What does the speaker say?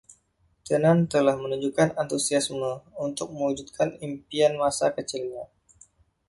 Tennant telah menunjukkan antusiasme untuk mewujudkan impian masa kecilnya.